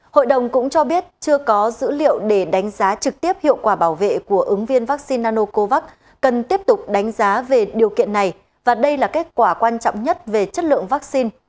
hội đồng cũng cho biết chưa có dữ liệu để đánh giá trực tiếp hiệu quả bảo vệ của ứng viên vaccine nanocovax cần tiếp tục đánh giá về điều kiện này và đây là kết quả quan trọng nhất về chất lượng vaccine